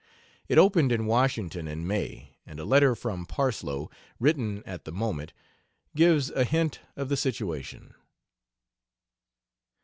It opened in Washington in May, and a letter from Parsloe, written at the moment, gives a hint of the situation.